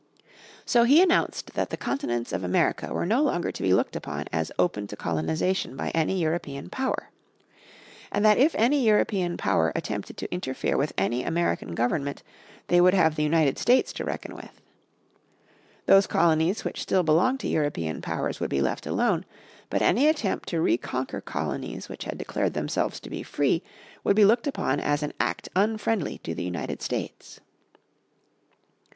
So he announced that the Continents of America were no longer to be looked upon as open to colonisation by any European power. And that if any European power attempted to interfere with any American government they would have the United States to reckon with. Those colonies which still belonged to European powers would be left alone, but any attempt to reconquer colonies which had declared themselves to be free would be looked upon as an act unfriendly to the United States.